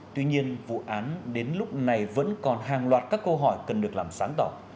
tuy nhiên vụ án đến lúc này vẫn còn hàng loạt các câu hỏi cần được làm sáng tỏ